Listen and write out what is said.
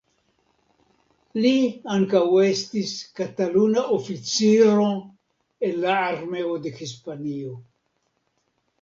Li ankaŭ estis Kataluna oficiro en la Armeo de Hispanio.